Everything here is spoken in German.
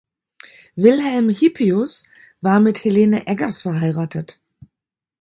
Wilhelm Hippius war mit Helene Eggers verheiratet.